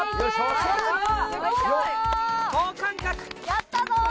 やったぞー！